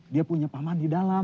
dia punya paman di dalam